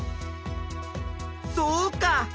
そうか！